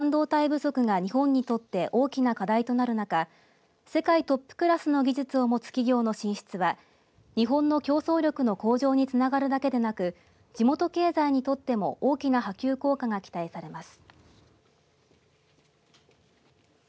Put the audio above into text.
世界的な半導体不足が日本にとって大きな課題となる中世界トップクラスの技術を持つ企業の進出は日本の競争力の向上につながるだけでなく地元経済にとっても大きな波及効果が期待されます。